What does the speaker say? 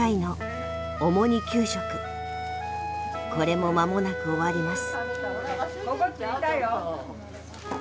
これもまもなく終わります。